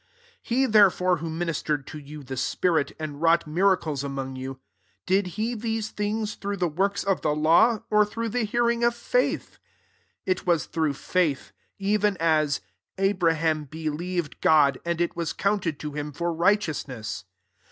5 He, therefore, who minis tered to you the spirit, and wrought ,miracles among you, did he these things through the works of the law, or through the hearing of faith ? 6 it was through faith : even as " Abra ham believed God, and it was counted to him for righteous ness."